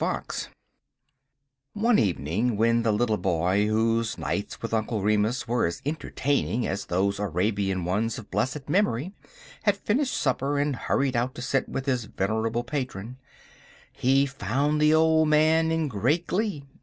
FOX ONE evening when the little boy, whose nights with Uncle Remus were as entertaining as those Arabian ones of blessed memory, had finished supper and hurried out to sit with his venerable patron, he found the old man in great glee.